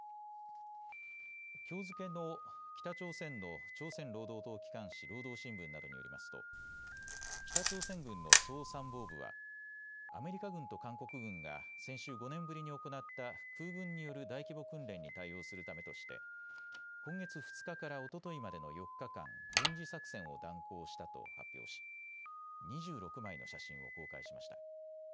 きょう付けの北朝鮮の朝鮮労働党機関紙、労働新聞などによりますと北朝鮮軍の総参謀部はアメリカ軍と韓国軍が先週、５年ぶりに行った空軍による大規模訓練に対応するためとして今月２日からおとといまでの４日間、軍事作戦を断行したと発表し２６枚の写真を公開しました。